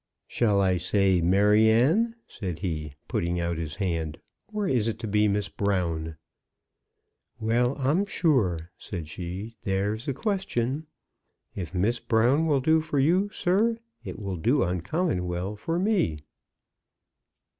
"Shall I say 'Maryanne?'" said he, putting out his hand; "or is it to be 'Miss Brown?'" "Well, I'm sure," said she; "there's a question! If 'Miss Brown' will do for you, sir, it will do uncommon well for me."